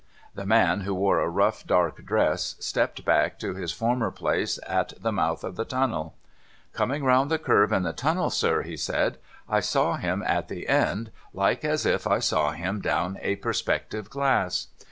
The man, who wore a rough dark dress, stepped back to his former place at the mouth of the tunnel. ' Coming round the curve in the tunnel, sir,' he said, ' I saw him at the end, like as if I saw him down a perspective glass.